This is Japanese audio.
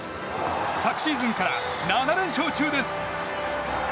昨シーズンから７連勝中です。